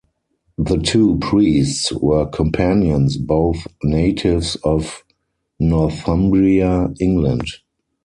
The two priests were companions, both natives of Northumbria, England.